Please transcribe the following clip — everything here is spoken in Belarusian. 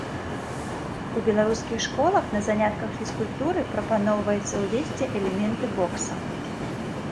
У беларускіх школах на занятках фізкультуры прапаноўваецца ўвесці элементы бокса.